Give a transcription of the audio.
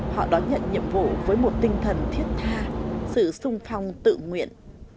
họ đón nhận nhiệm vụ với một tinh thần thiết tha sự sung phong tự nguyện